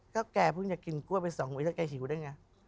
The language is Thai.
ก็แกเพิ่งจะกินกล้วยไป๒หวีแล้วแกหิวได้ไง